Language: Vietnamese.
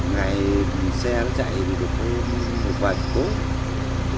ngày xe nó chạy một vài chục khối